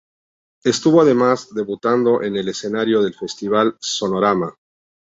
Estuvo además, debutando en el escenario del Festival Sonorama.